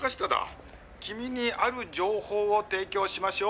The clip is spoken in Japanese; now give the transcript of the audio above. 「君にある情報を提供しましょう」